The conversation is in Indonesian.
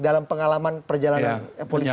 dalam pengalaman perjalanan politik